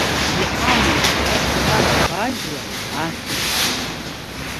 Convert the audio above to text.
Иҳамоуп, абиԥарақәа ажәла, ахьыӡ.